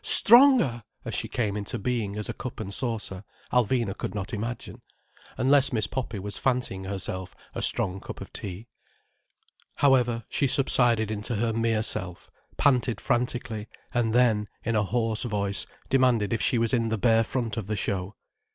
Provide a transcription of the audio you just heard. Stronger!" as she came into being as a cup and saucer, Alvina could not imagine: unless Miss Poppy was fancying herself a strong cup of tea. However, she subsided into her mere self, panted frantically, and then, in a hoarse voice, demanded if she was in the bare front of the show.